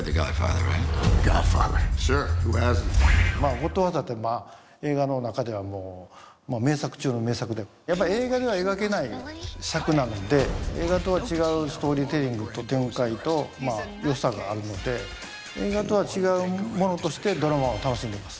「ゴッドファーザー」って映画の中では名作中の名作でやっぱり映画では描けない尺なので映画とは違うストーリーテリングと展開とよさがあるので映画とは違うものとしてドラマを楽しんでます